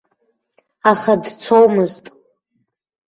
Аха дцомызт.